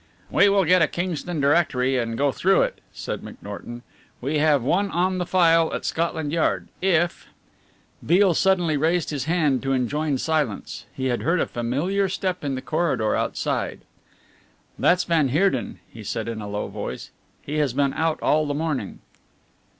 "We will get a Kingston Directory and go through it," said McNorton; "we have one on the file at Scotland Yard. If " Beale suddenly raised his hand to enjoin silence: he had heard a familiar step in the corridor outside. "That's van Heerden," he said in a low voice, "he has been out all the morning."